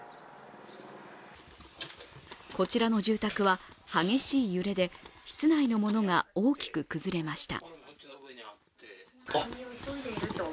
こちらの住宅は激しい揺れで、室内のものが大きく崩れました。